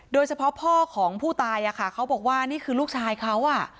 โดยเฉพาะพ่อของผู้ตายเขาบอกว่านี่คือลูกชายเขา